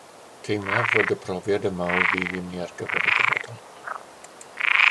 Teimlaf fod y profiad yma o fudd i mi ar gyfer y dyfodol